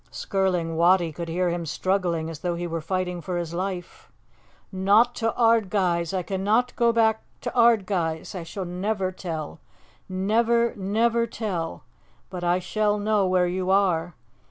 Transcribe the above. ..." Skirling Wattie could hear him struggling as though he were fighting for his life. "Not to Ardguys ... I cannot go back to Ardguys! I shall never tell ... never, never tell ... but I shall know where you are!